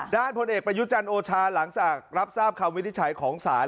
ด้านผลเอกประยุจรรย์โอชาห์หลังจากรับทราบความวินิจฉัยของสาร